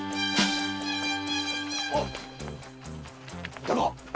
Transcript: いたかっ？